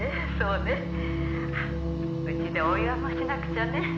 「うちでお祝いもしなくちゃね」